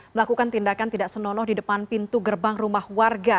melakukan tindakan tidak senonoh di depan pintu gerbang rumah warga